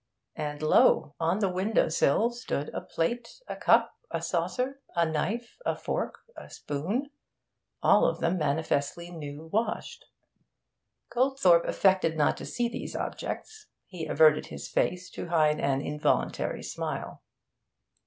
And lo! on the window sill stood a plate, a cup and saucer, a knife, a fork, a spoon all of them manifestly new washed. Goldthorpe affected not to see these objects; he averted his face to hide an involuntary smile.